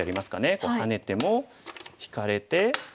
こうハネても引かれて。